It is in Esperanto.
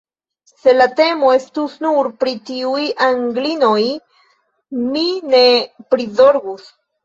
Se la temo estus nur pri tiuj Anglinoj, mi ne prizorgus.